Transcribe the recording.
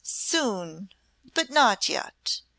Soon but not yet!"